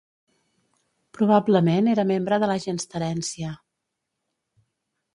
Probablement era membre de la gens Terència.